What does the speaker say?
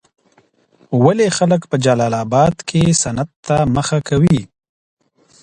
ولي خلک په جلال اباد کي صنعت ته مخه کوي؟